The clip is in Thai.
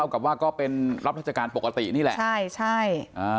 ก็เป็นรับรัชการปกตินี่แหละใช่